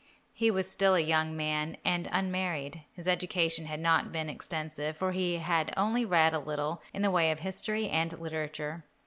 He was still a young man and unmarried. His education had not been extensive, for he had read only a little in the way of history and literature.